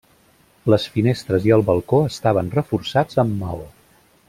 Les finestres i el balcó estaven reforçats amb maó.